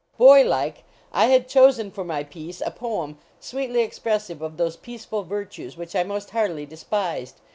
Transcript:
Boy like, I had chosen for my piece a poem sweetly expressive of those peaceful virtues which I most heartily despised.